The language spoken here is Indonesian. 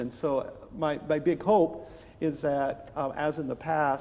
jadi harapan besar saya adalah